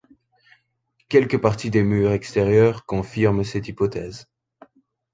Quelques parties des murs extérieurs confirment cette hypothèse.